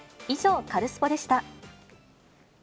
以上、カルスポっ！でした。